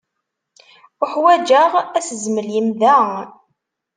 Uḥwaǧeɣ asezmel-im da.